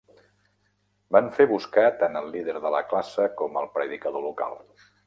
Van fer buscar tant el líder de la classe com el predicador local.